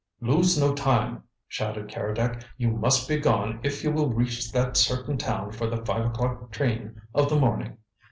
"Lose no time!" shouted Keredec. "You must be gone if you will reach that certain town for the five o'clock train of the morning."